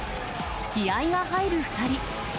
気合いが入る２人。